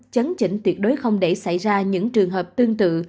chấn chỉnh tuyệt đối không để xảy ra những trường hợp tương tự